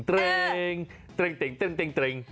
ตได้